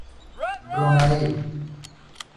Brunei